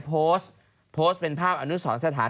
โพสต์โพสต์เป็นภาพอนุสรสถาน